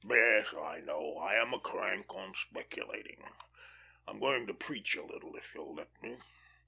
"Yes, I know I am a crank on speculating. I'm going to preach a little if you'll let me.